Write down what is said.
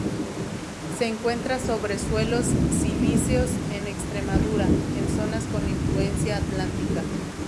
Se encuentra sobre suelos silíceos, en Extremadura, en zonas con influencia atlántica.